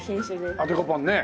ああデコポンね。